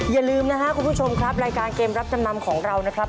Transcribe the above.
อย่าลืมนะครับคุณผู้ชมครับรายการเกมรับจำนำของเรานะครับ